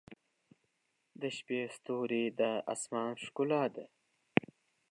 • د شپې ستوري د آسمان ښکلا ده.